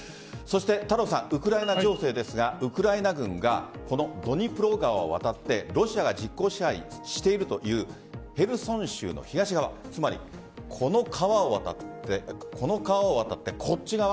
太郎さん、ウクライナ情勢ですがウクライナ軍がこのドニプロ川を渡ってロシアが実効支配しているというヘルソン州の東側つまり、この川を渡ってこっち側。